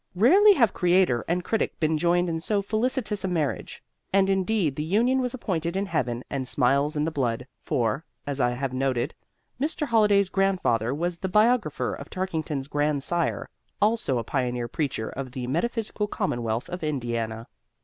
Rarely have creator and critic been joined in so felicitous a marriage. And indeed the union was appointed in heaven and smiles in the blood, for (as I have noted) Mr. Holliday's grandfather was the biographer of Tarkington's grandsire, also a pioneer preacher of the metaphysical commonwealth of Indiana.